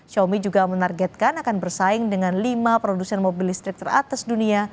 xiaomi juga menargetkan akan bersaing dengan lima produsen mobil listrik teratas dunia